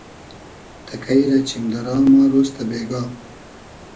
تئکݷ رۂ چیم دۂ را ما رۉز تۂ بېگا